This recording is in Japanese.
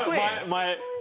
前？